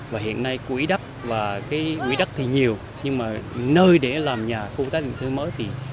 và hiện nay quỹ đắc và cái quỹ đắc thì nhiều nhưng mà nơi để làm nhà khu tác định cơ mới thì